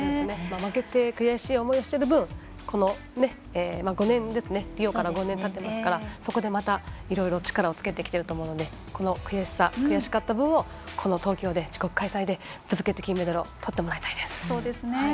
負けて悔しい思いをしてる分リオから５年たってますからそこでまた、いろいろ力をつけてきていると思うのでこの悔しかった分を東京で自国開催でぶつけて金メダルをとってもらいたいです。